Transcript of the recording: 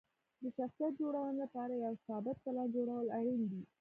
د شخصیت جوړونې لپاره یو ثابت پلان جوړول اړین دي.